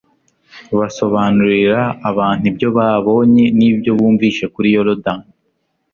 Basobanurira abantu ibyo babonye n'ibyo bumvise kuri Yorodani,